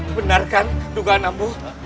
benar kan tuhan ambo